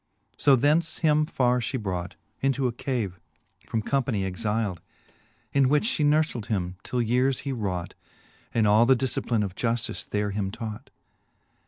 So thence him farre fhe brought Into a cave from companie exilde, In which fhe nourfled him, till yeares he raught, And all the difcipline of juftice there him taught.